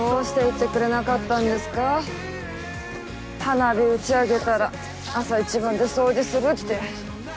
花火打ち上げたら朝一番で掃除するって。